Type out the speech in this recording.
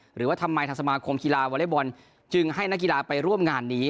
หรือว่าทำไมทางสมาคมกีฬาวอเล็กบอลจึงให้นักกีฬาไปร่วมงานนี้